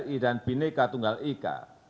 kita bisa terhindar dari perang saudara